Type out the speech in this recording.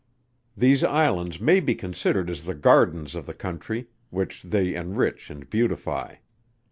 These islands may be considered as the gardens of the country, which they enrich and beautify.